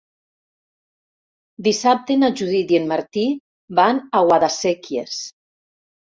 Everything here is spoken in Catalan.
Dissabte na Judit i en Martí van a Guadasséquies.